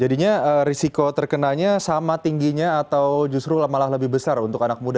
jadinya risiko terkenanya sama tingginya atau justru malah lebih besar untuk anak muda